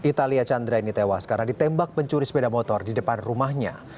italia chandra ini tewas karena ditembak pencuri sepeda motor di depan rumahnya